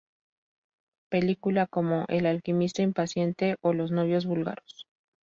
Películas como "El alquimista impaciente" o "Los novios búlgaros".